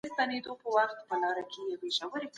بې پامي هضم خرابوي.